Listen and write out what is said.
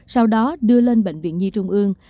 sau đó đưa lên bệnh viện nhi trung ương